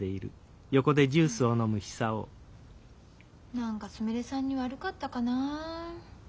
何かすみれさんに悪かったかな。